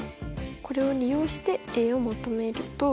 これを利用してを求めると。